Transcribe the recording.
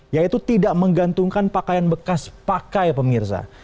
yaitu tidak menggantungkan pakaian bekas pakai pemirsa